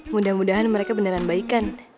mudah mudahan mereka beneran baikan